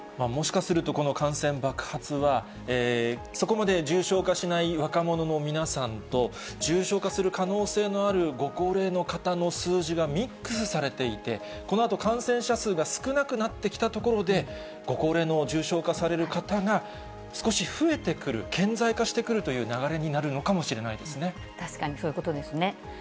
もしかすると、この感染爆発は、そこまで重症化しない若者の皆さんと、重症化する可能性のあるご高齢の方の数字がミックスされていて、このあと、感染者数が少なくなってきたところで、ご高齢の重症化される方が少し増えてくる、顕在化してくるという確かにそういうことですね。